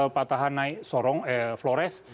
patahan naik flores